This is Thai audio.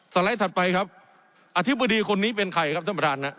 ไลด์ถัดไปครับอธิบดีคนนี้เป็นใครครับท่านประธานนะ